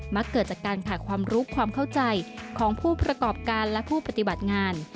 เกิดจากการขาดความรู้ความเข้าใจของผู้ประกอบการและผู้ปฏิบัติงาน